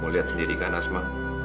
mau lihat sendiri kan asma